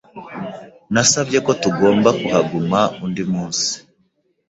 Nasabye ko tugomba kuhaguma undi munsi.